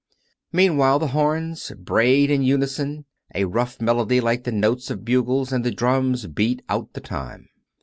Meanwhile, the horns brayed in unison, a rough melody like the notes of bugles, and the drums beat out the time.